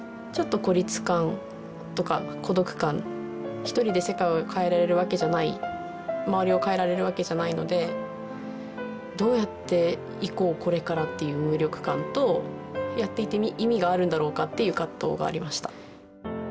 １人で世界を変えられるわけじゃない周りを変えられるわけじゃないのでどうやっていこうこれからっていう無力感とやっていて意味があるんだろうかっていう葛藤がありました。